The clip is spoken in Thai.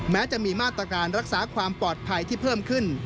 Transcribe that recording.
แม้จะมีมาตรการรักษาความปลอดภัยที่เพิ่มขึ้น